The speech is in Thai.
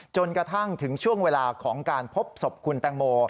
จนกระทั่งถึงช่วงเวลาของการพบศพคุณแตงโม